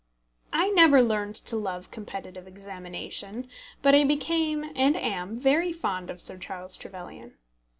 I never learned to love competitive examination; but I became, and am, very fond of Sir Charles Trevelyan.